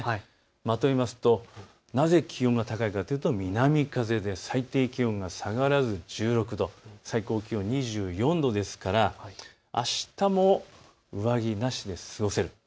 まとめると、なぜ気温が高いかというと南風で最低気温が下がらず１６度、最高気温２４度ですから、あしたも上着なしで過ごせる。